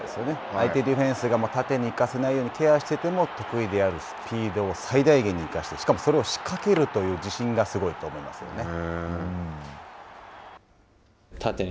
相手ディフェンスが縦に行かせないようにケアしてても、得意のスピードを生かして、しかもそれを仕掛けるという自信がすごいと思いますよね。